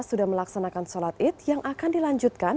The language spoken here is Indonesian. sudah melaksanakan sholat id yang akan dilanjutkan